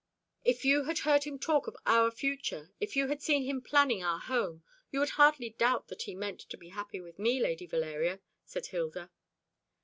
"If you had heard him talk of our future, if you had seen him planning our home, you would hardly doubt that he meant to be happy with me, Lady Valeria," said Hilda.